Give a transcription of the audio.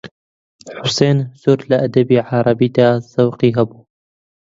حوسێن زۆر لە ئەدەبی عەرەبیدا زەوقی هەبوو